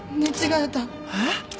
えっ！？